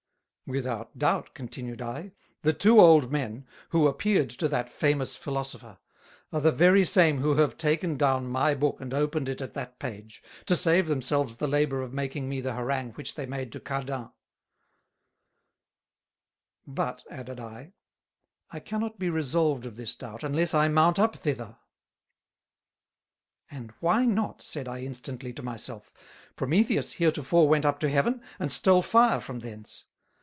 "Without doubt," continued I, "the Two old Men, who appeared to that famous Philosopher, are the very same who have taken down my Book and opened it at that Page, to save themselves the labour of making to me the Harangue which they made to Cardan." "But," added I, "I cannot be resolved of this Doubt, unless I mount up thither." "And why not?" said I instantly to my self. "Prometheus heretofore went up to Heaven, and stole fire from thence.